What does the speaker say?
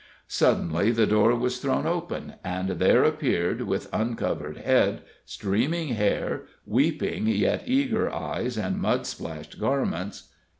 Suddenly the door was thrown open, and there appeared, with uncovered head, streaming hair, weeping yet eager eyes, and mud splashed garments, Helen Wyett.